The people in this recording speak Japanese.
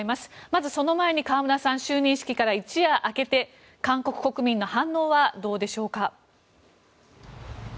まず、その前に河村さん就任式から一夜明けて韓国国民の反応はいかがでしょうか。